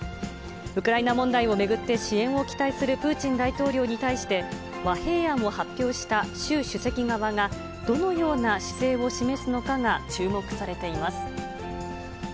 ウクライナ問題を巡って、支援を期待するプーチン大統領に対して、和平案を発表した習主席側が、どのような姿勢を示すのかが注目されています。